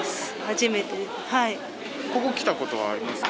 ここ来た事はありますか？